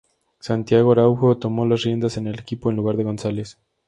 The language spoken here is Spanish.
Santiago Araujo tomó las riendas del equipo en lugar González.